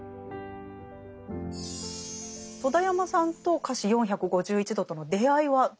戸田山さんと「華氏４５１度」との出会いは？